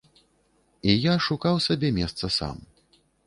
І я шукаў сабе месца сам.